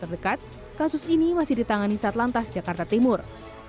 dekat kasus ini masih ditangani satlantas jakarta timur